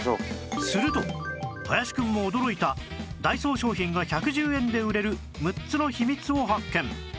すると林くんも驚いたダイソー商品が１１０円で売れる６つの秘密を発見